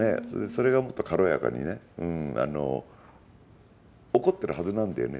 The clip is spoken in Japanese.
それがもっと軽やかにね起こってるはずなんだよね。